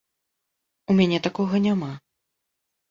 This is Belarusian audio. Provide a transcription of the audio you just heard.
У мяне такога няма.